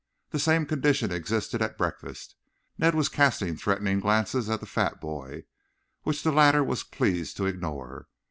The same condition existed at breakfast. Ned was casting threatening glances at the fat boy, which the latter was pleased to ignore.